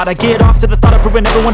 terima kasih jadi lewat speak